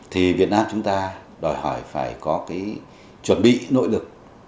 thì việt nam chúng ta đòi hỏi phải có cái chuẩn bị nội lực